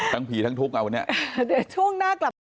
ตั้งผีตั้งทุกข์เอาเนี่ย